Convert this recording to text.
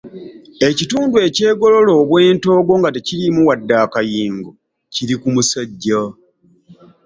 Ekitundu ekyegolola obwentoogo nga tekiriimu wadde akayingo kiri ku musajja.